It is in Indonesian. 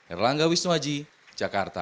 erlangga wisnuwaji jakarta